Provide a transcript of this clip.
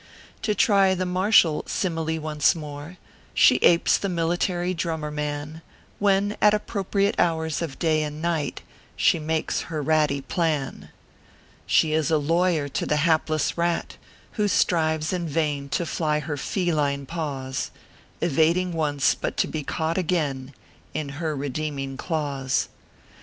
To try the martial simile once more: She apes the military drummer man, "When, at appropriate hours of day and night, She makes her ratty plan. She is a lawyer to the hapless rat, "Who strives in vain to fly her fee line paws, Evading once, but to be caught again In her redeeming claws.